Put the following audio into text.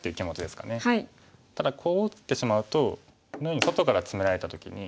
ただこう打ってしまうとこのように外からツメられた時に。